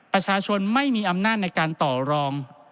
ประชาชนไม่มีอำนาจในการต่อรอง